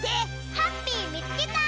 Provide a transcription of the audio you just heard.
ハッピーみつけた！